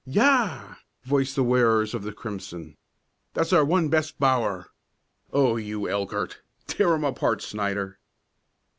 "Yah!" voiced the wearers of the crimson. "That's our one best bower! Oh you Elkert! Tear 'em apart, Snyder!"